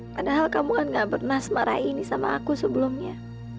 padahal kamu kan gak pernah semarai sama aku sebelumnya